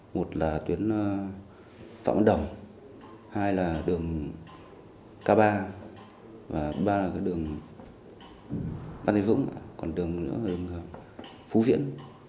một là tuyến phạm văn đồng hai là đường k ba và ba là đường ban thái dũng còn đường nữa là đường phú viễn